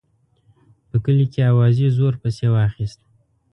په کلي کې اوازې زور پسې واخیست.